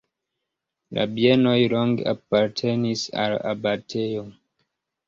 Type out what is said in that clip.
La bienoj longe apartenis al abatejo.